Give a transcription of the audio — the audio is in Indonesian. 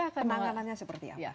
penanggalannya seperti apa